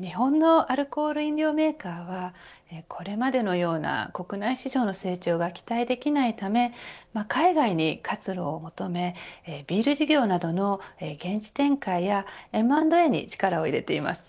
日本のアルコール飲料メーカーはこれまでのような国内市場の成長が期待できないため海外に活路を求めビール事業などの現地展開やＭ＆Ａに力を入れています。